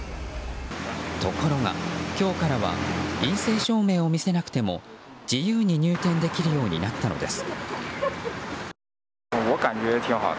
ところが今日からは陰性証明を見せなくても自由に入店できるようになったのです。